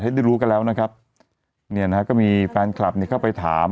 ได้รู้กันแล้วนะครับเนี่ยนะฮะก็มีแฟนคลับเนี่ยเข้าไปถาม